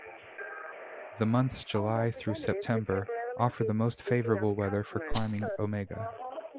The months July through September offer the most favorable weather for climbing Omega.